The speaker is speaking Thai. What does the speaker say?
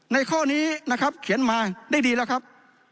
ข้อนี้นะครับเขียนมาได้ดีแล้วครับ